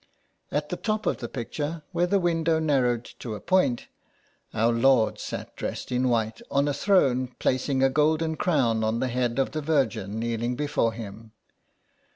At the top of the picture, where the window narrowed to a point. Our Lord sat dressed in white on a throne, placing a golden crown on the head of the Virgin kneeling before him.